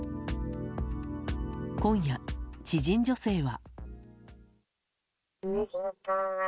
今夜、知人女性は。